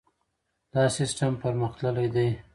دا سیستم پرمختللی دی.